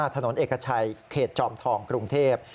ถนนเอกชัยเขตจอมทองกรุงเทพ